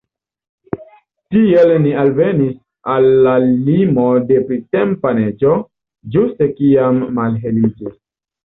Tiel ni alvenis al la limo de printempa neĝo, ĝuste kiam malheliĝis.